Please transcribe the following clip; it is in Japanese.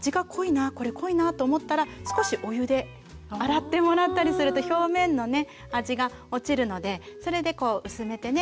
これ濃いなと思ったら少しお湯で洗ってもらったりすると表面のね味が落ちるのでそれで薄めてね